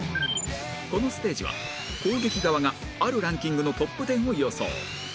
このステージは攻撃側があるランキングのトップ１０を予想